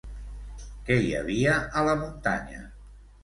Què hi havia a la muntanya?